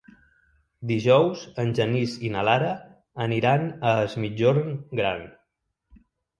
Dijous en Genís i na Lara aniran a Es Migjorn Gran.